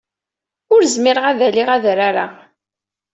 Ur zmireɣ ad alyeɣ adrar-a.